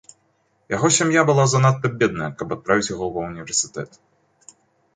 Яго сям'я была занадта бедная, каб адправіць яго ва ўніверсітэт.